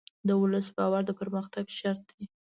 د ولس باور د پرمختګ شرط دی.